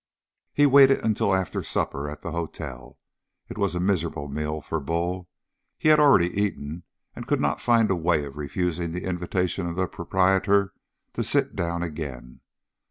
He waited until after the supper at the hotel. It was a miserable meal for Bull; he had already eaten, and he could not find a way of refusing the invitation of the proprietor to sit down again.